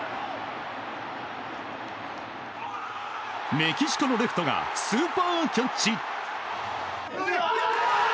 メキシコのレフトがスーパーキャッチ。